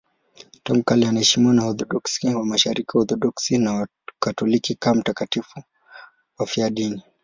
Tangu kale wanaheshimiwa na Waorthodoksi wa Mashariki, Waorthodoksi na Wakatoliki kama watakatifu wafiadini.